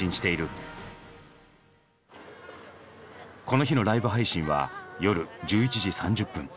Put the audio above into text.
この日のライブ配信は夜１１時３０分。